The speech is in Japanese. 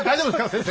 先生！